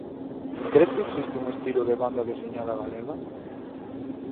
Cres que existe un estilo de banda deseñada galega?